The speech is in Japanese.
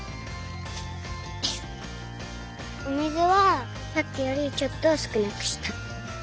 お水はさっきよりちょっとすくなくした。